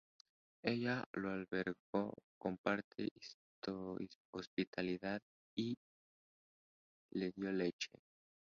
Ella lo albergó con aparente hospitalidad y le dio leche.